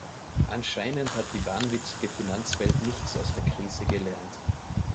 Anscheinend hat die wahnwitzige Finanzwelt nichts aus der Krise gelernt.